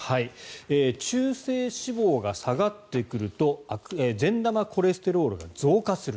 中性脂肪が下がってくると善玉コレステロールが増加する。